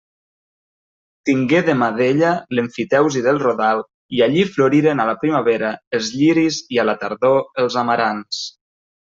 Tingué de mà d'ella l'emfiteusi del rodal i allí floriren a la primavera els lliris i a la tardor els amarants.